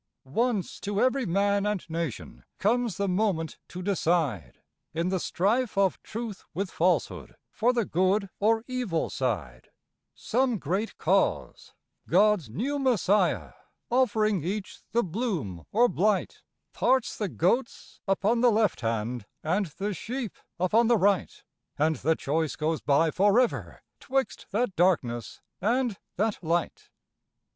Once to every man and nation comes the moment to decide, In the strife of Truth with Falsehood, for the good or evil side; Some great cause, God's new Messiah, offering each the bloom or blight, Parts the goats upon the left hand, and the sheep upon the right, And the choice goes by forever 'twixt that darkness and that light.